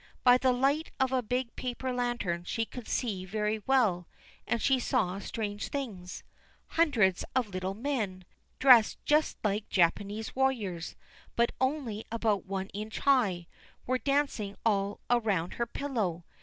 By the light of a big paper lantern she could see very well, and she saw strange things. Hundreds of little men, dressed just like Japanese warriors, but only about one inch high, were dancing all around her pillow.